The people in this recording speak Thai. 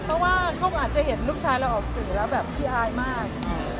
เพราะว่าเขาก็อาจจะเห็นลูกชายเราออกสื่อแล้วแบบขี้อายมาก